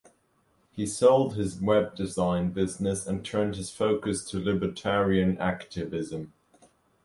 He sold his web design business and turned his focus to libertarian activism.